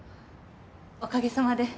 おかげさまで。